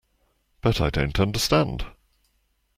But I don't understand.